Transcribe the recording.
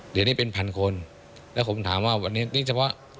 เดี๋ยวนี้เป็นพันคนแล้วผมถามว่าวันนี้นี่เฉพาะ